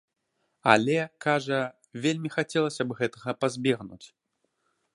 Але, кажа, вельмі хацелася б гэтага пазбегнуць.